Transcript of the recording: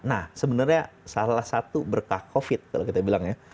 nah sebenarnya salah satu berkah covid kalau kita bilang ya